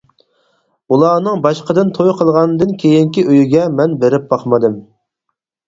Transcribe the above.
ئۇلارنىڭ باشقىدىن توي قىلغاندىن كېيىنكى ئۆيىگە مەن بېرىپ باقمىدىم.